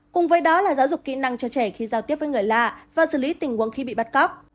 cùng với đó là giáo dục kỹ năng cho trẻ khi giao tiếp với người lạ và xử lý tình huống khi bị bắt cóc